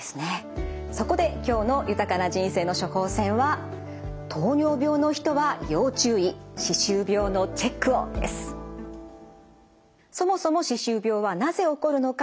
そこで今日の「豊かな人生の処方せん」はそもそも歯周病はなぜ起こるのか？